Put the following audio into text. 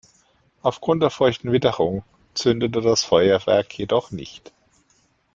Aufgrund der feuchten Witterung zündete das Feuerwerk jedoch nicht.